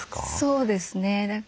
そうですね。